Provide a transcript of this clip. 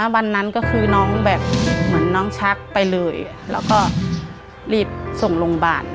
วันนั้นก็คือน้องแบบเหมือนน้องชักไปเลยแล้วก็รีบส่งโรงพยาบาล